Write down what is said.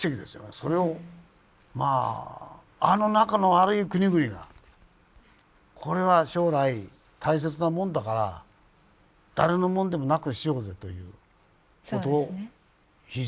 それをまああの仲の悪い国々がこれは将来大切なもんだから誰のもんでもなくしようぜということを批准したという。